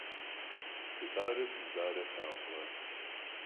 СылӀарэ сымылӀарэ флъагъуркъэ?